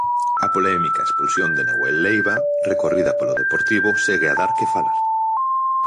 A polémica expulsión de Nahuel Leiva, recorrida polo Deportivo, segue a dar que falar.